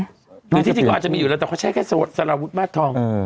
หรือที่นี่ก็อาจจะมีอยู่แล้วแต่เขาใช้แค่โสดสลาวุธมาททอง